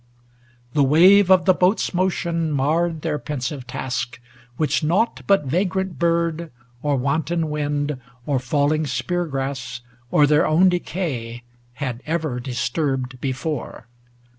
The wave Of the boat's motion marred their pensive task, Which naught but vagrant bird, or wanton winf^, 410 Or falling spear grass, or their own decay ilad e'er disturbed before.